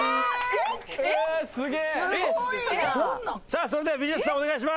さあそれでは美術さんお願いします。